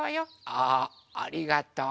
あありがとう。